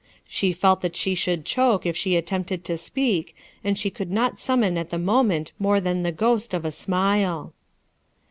She felt that she should choke if she attempted to speak, and she could not sum mon at the moment more than the ghost of a smile.